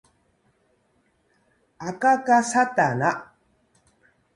あかかかさたな